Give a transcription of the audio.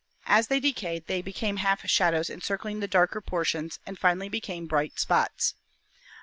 As they decayed they became half shadows encircling the darker portions and finally became bright spots.